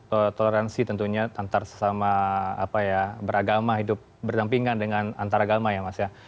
oke cukup toleransi tentunya antar sesama apa ya beragama hidup bertampingan dengan antaragama ya mas ya